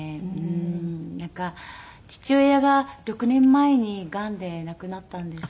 父親が６年前にがんで亡くなったんですけど。